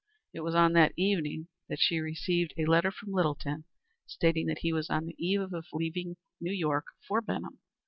It was on that evening that she received a letter from Littleton, stating that he was on the eve of leaving New York for Benham.